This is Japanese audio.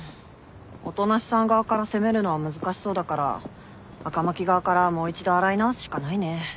音無さん側から攻めるのは難しそうだから赤巻側からもう一度洗い直すしかないね。